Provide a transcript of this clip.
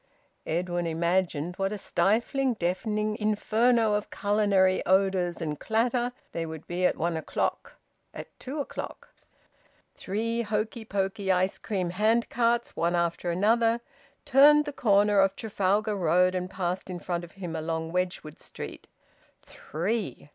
Edwin imagined what a stifling, deafening inferno of culinary odours and clatter they would be at one o'clock, at two o'clock. Three hokey pokey ice cream hand carts, one after another, turned the corner of Trafalgar Road and passed in front of him along Wedgwood Street. Three!